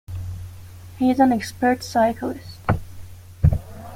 He is an expert cyclist.